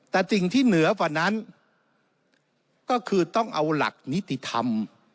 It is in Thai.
แต่สิ่งที่เหนือกว่านั้นก็คือต้องเอาหลักนิติธรรม